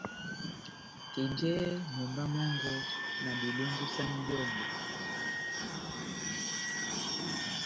Kenjɛhɛ mumba mɔngɔ, na belongisani byɔ́ngɔ,